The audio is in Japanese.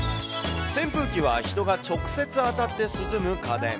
扇風機は人が直接当たって涼む家電。